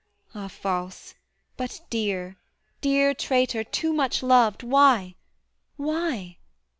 Ah false but dear, Dear traitor, too much loved, why? why?